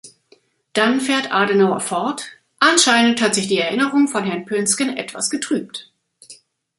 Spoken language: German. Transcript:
Dann fährt Adenauer fort: "Anscheinend hat sich die Erinnerung von Herrn Poensgen etwas getrübt.